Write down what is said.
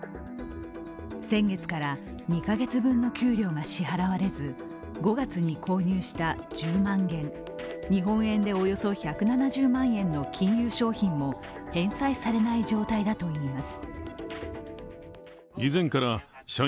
先月から２カ月分の給料が支払われず５月に購入した１０万元、日本円でおよそ１７０万円の金融商品も返済されない状態だといいます。